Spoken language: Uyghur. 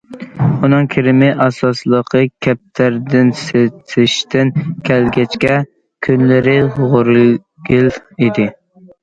ئۇنىڭ كىرىمى ئاساسلىقى كەپتەر دېنى سېتىشتىن كەلگەچكە، كۈنلىرى غورىگىل ئىدى.